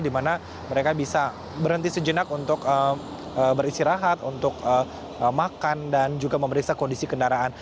di mana mereka bisa berhenti sejenak untuk beristirahat untuk makan dan juga memeriksa kondisi kendaraan